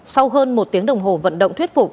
sau hơn một tiếng đồng hồ vận động thuyết phục